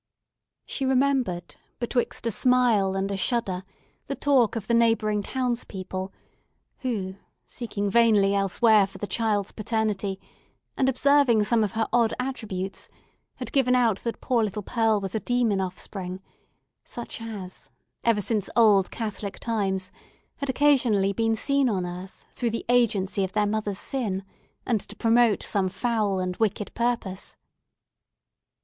She remembered—betwixt a smile and a shudder—the talk of the neighbouring townspeople, who, seeking vainly elsewhere for the child's paternity, and observing some of her odd attributes, had given out that poor little Pearl was a demon offspring: such as, ever since old Catholic times, had occasionally been seen on earth, through the agency of their mother's sin, and to promote some foul and wicked purpose.